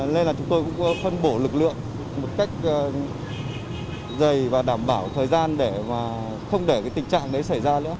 nên là chúng tôi cũng phân bổ lực lượng một cách dày và đảm bảo thời gian để không để tình trạng đấy xảy ra nữa